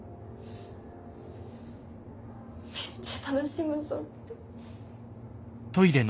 めっちゃ楽しむぞって。